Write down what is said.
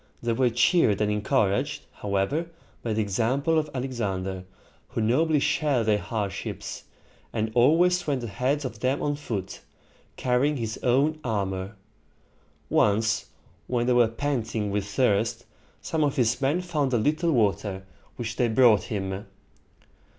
They were cheered and encouraged, however, by the example of Alexander, who nobly shared their hardships, and always went ahead of them on foot, carrying his own armor. Once, when they were panting with thirst, some of his men found a little water, which they brought him.